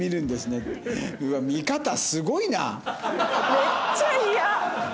めっちゃ嫌！